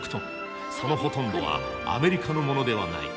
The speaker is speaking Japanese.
そのほとんどはアメリカのものではない。